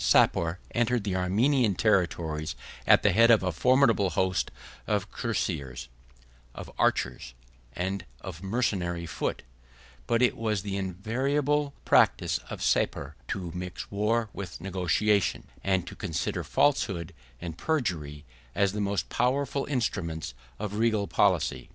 133 Sapor entered the Armenian territories at the head of a formidable host of cuirassiers, of archers, and of mercenary foot; but it was the invariable practice of Sapor to mix war and negotiation, and to consider falsehood and perjury as the most powerful instruments of regal policy.